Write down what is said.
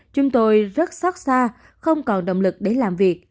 chúng tôi rất xót xa không còn động lực để làm việc